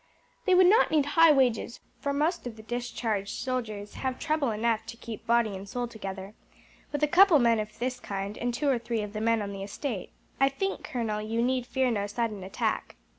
They would not need high wages, for most of the discharged soldiers have trouble enough to keep body and soul together. With a couple of men of this kind, and two or three of the men on the estate, I think, colonel, you need fear no sudden attack."